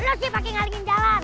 lu sih pake ngaringin jalan